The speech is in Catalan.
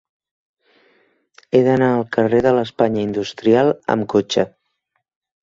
He d'anar al carrer de l'Espanya Industrial amb cotxe.